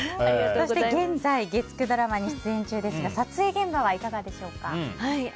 そして、現在月９ドラマに出演中ですが撮影現場はいかがでしょうか。